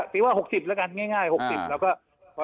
สรีว่า๖๐แล้วกัน